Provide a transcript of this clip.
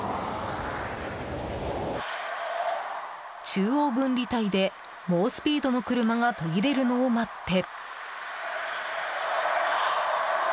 中央分離帯で猛スピードの車が途切れるのを待って。